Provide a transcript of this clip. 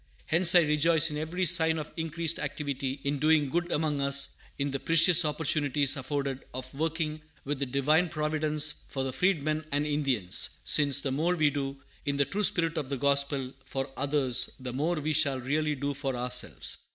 Hence I rejoice in every sign of increased activity in doing good among us, in the precious opportunities afforded of working with the Divine Providence for the Freedmen and Indians; since the more we do, in the true spirit of the gospel, for others, the more we shall really do for ourselves.